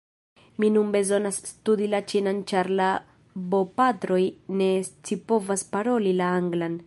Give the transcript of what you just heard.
Mi nun bezonas studi la ĉinan ĉar la bopatroj ne scipovas paroli la anglan.